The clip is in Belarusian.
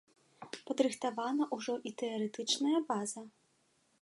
Падрыхтавана ўжо і тэарэтычная база.